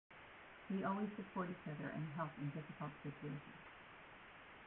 We always support each other and help in difficult situations.